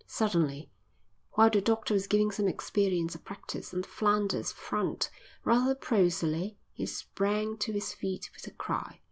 Suddenly, while the doctor was giving some experience of practice on the Flanders front, rather prosily, he sprang to his feet with a cry.